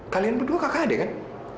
kalian berdua kakak adik kan